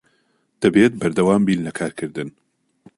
دەبێت بەردەوام بین لە کارکردن.